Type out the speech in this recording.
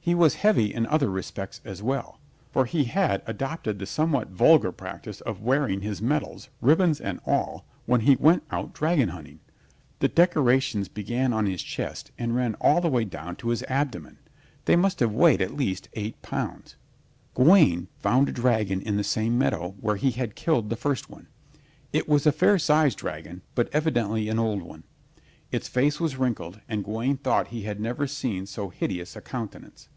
He was heavy in other respects as well, for he had adopted the somewhat vulgar practice of wearing his medals, ribbons and all, when he went out dragon hunting. The decorations began on his chest and ran all the way down to his abdomen. They must have weighed at least eight pounds. Gawaine found a dragon in the same meadow where he had killed the first one. It was a fair sized dragon, but evidently an old one. Its face was wrinkled and Gawaine thought he had never seen so hideous a countenance.